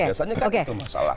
biasanya kan itu masalah